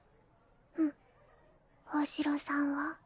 うん大城さんは？